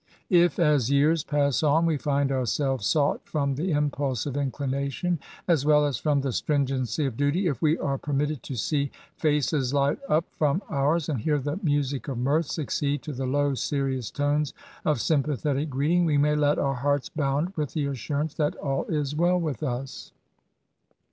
If, as years pass on, we find ourselves sought from the impulse of inclination, as well as from the stringency of duty — ^if we are permitted to see faces light up from ours, and hear the music of mirth succeed to the low serious tones of sym pathetic greeting — ^we may let our hearts bound with the assurance that all is well with us.